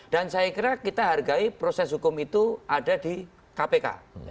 dan saya kira kita hargai proses hukum itu ada di kpk